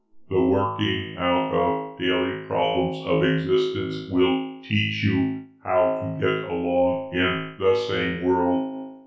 The working out of daily problems of existence will teach you how to get along in the same world.